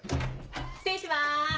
失礼します！